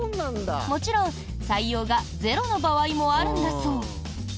もちろん採用がゼロの場合もあるんだそう。